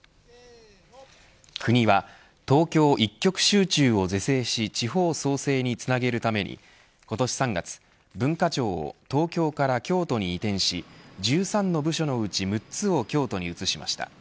国は東京一極集中を是正し地方創生につなげるために今年３月、文化庁を東京から京都に移転し１３の部署のうち６つを京都に移しました。